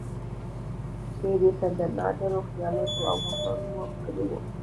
شعر یې په نادرو خیالاتو او مفاهیمو ښکلی و.